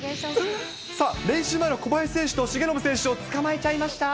さあ、練習前の小林選手と重信選手をつかまえちゃいました。